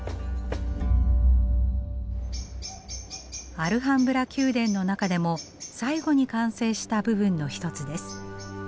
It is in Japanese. アルハンブラ宮殿の中でも最後に完成した部分の一つです。